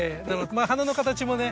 花の形もね